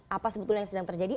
apa sebetulnya yang sedang terjadi